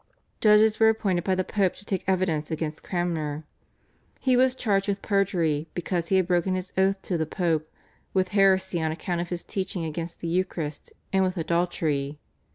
Judges were appointed by the Pope to take evidence against Cranmer. He was charged with perjury because he had broken his oath to the Pope, with heresy on account of his teaching against the Eucharist, and with adultery.